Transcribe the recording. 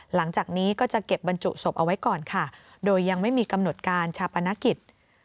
หลังจากนี้ก็จะเก็บบรรจุศพเอาไว้ก่อนค่ะโดยยังไม่มีกำหนดการชาปนกิจ